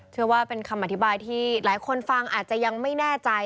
เชื่อว่าเป็นคำอธิบายที่หลายคนฟังอาจจะยังไม่แน่ใจ